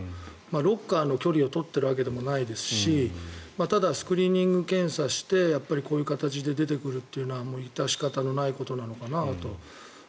ロッカーの距離を取っているわけでもないですしただ、スクリーニング検査してこういう形で出てくるというのは致し方のないことなのかなと。